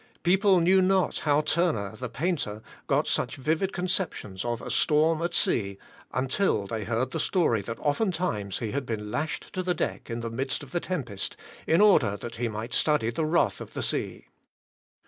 People knew not how Turner, the painter, got such vivid conceptions of a storm at sea, until they heard the story that oftentimes he had been lashed to the deck in the midst of the tempest, in order that he might study the wrath of the sea.